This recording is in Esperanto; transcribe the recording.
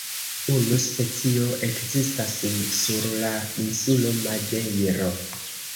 Unu specio ekzistas sur la insulo Madejro.